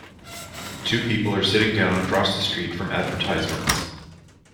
Two people are sitting down across the street from advertisements.